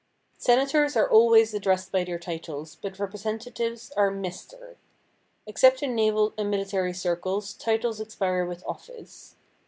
Senators are always addressed by their titles, but representatives are "Mr." Except in naval and military circles titles expire with office.